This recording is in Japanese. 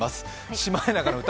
「シマエナガの歌」